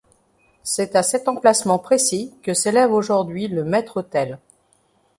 C'est à cet emplacement précis que s'élève aujourd'hui le maître-autel.